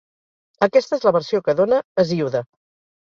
Aquesta és la versió que dóna Hesíode.